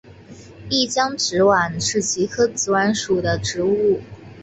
丽江紫菀是菊科紫菀属的植物。